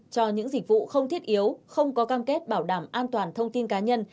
cho những dịch vụ không thiết yếu không có cam kết bảo đảm an toàn thông tin cá nhân